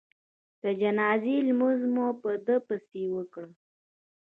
د جنازې لمونځ مو په ده پسې وکړ.